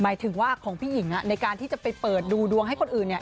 หมายถึงว่าของพี่หญิงในการที่จะไปเปิดดูดวงให้คนอื่นเนี่ย